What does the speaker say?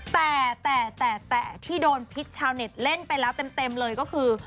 แต่แต่ที่โดนพิษชาวเน็ตเล่นไปแล้วเต็มเลยก็คือ